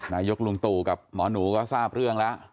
นายกลุงตู่กับหมอหนูก็ทราบเรื่องแล้ว